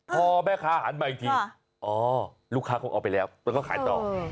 พอแม่ค้าหันมาอีกทีอ๋อลูกค้าคงเอาไปแล้วแล้วก็ขายต่อ